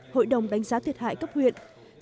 hội đồng đánh giá thiệt hại cấp huyện